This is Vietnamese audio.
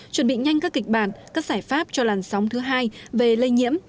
chuẩn bị nhanh các kịch bản các giải pháp cho làn sóng thứ hai về lây nhiễm